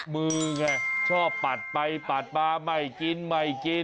มือไงชอบปัดไปปัดมาใหม่กินใหม่กิน